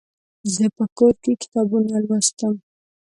زه په کور کې کتابونه لوستم.